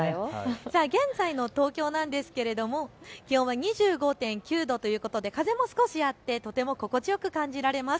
現在の東京なんですけれども気温は２５．９度ということで風も少しあってとても心地よく感じられます。